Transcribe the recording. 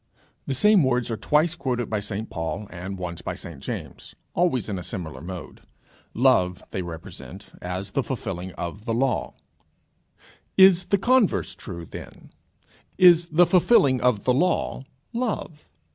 The same words are twice quoted by St Paul, and once by St James, always in a similar mode: Love they represent as the fulfilling of the law. Is the converse true then? Is the fulfilling of the law love?